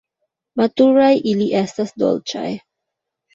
Maturaj ili estas dolĉaj.